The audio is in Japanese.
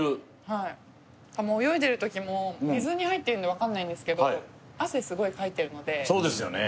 はい泳いでる時も水に入ってるんで分かんないんですけど汗すごいかいてるのでそうですよね